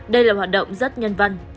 đây là hoạt động rất nhân văn